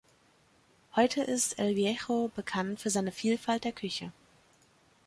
Heute ist El Viejo bekannt für seine Vielfalt der Küche.